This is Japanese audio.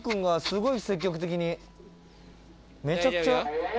めちゃくちゃ。